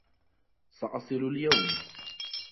سأصل اليوم.